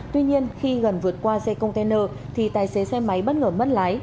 tuy nhiên khi gần vượt qua xe container thì tài xế xe máy bất ngờ mất lái